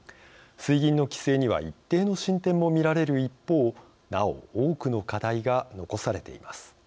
水銀の規制には一定の進展も見られる一方なお多くの課題が残されています。